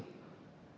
kami tidak bisa